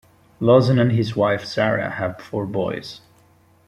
Lauzen and his wife, Sarah, have four boys.